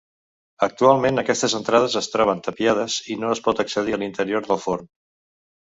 Actualment aquestes entrades es troben tapiades, i no es pot accedir a l'interior del forn.